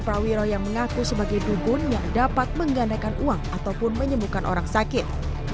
prawiro yang mengaku sebagai dubun yang dapat menggandakan uang ataupun menyembuhkan orang sakit